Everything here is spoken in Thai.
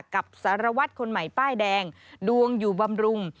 กับสารวัตรคนใหม่ป้ายแดงดวงอยู่บำรุง